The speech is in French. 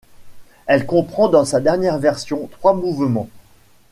Elle comprend dans sa dernière version, trois mouvements.